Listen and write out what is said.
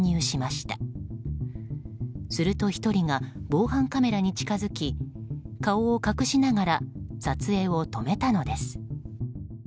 すると１人が防犯カメラに近づき顔を隠しながら撮影を止めたのです。